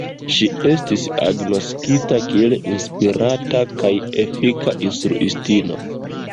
Ŝi estis agnoskita kiel inspirata kaj efika instruistino.